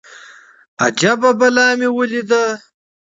اجبه بلا مې وليده.